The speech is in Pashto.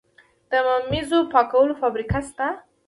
د ممیزو پاکولو فابریکې شته؟